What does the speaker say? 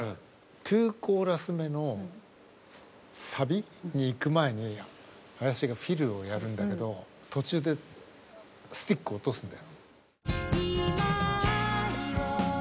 ２コーラス目のサビに行く前に林がフィルをやるんだけど途中でスティックを落とすんだよ。